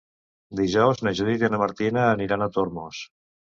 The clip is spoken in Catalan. Dijous na Judit i na Martina aniran a Tormos.